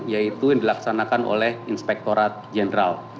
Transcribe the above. yaitu yang dilaksanakan oleh inspektorat jenderal